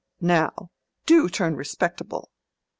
Now, do turn respectable.